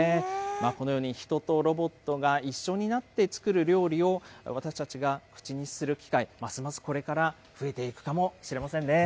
このように人とロボットが一緒になって作る料理を私たちが口にする機会、ますますこれから増えていくかもしれませんね。